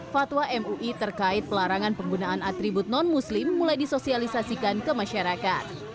fatwa mui terkait pelarangan penggunaan atribut non muslim mulai disosialisasikan ke masyarakat